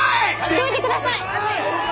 どいてください！